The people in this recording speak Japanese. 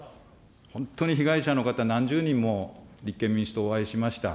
本当に被害者の方、何十人も立憲民主党はお会いしました。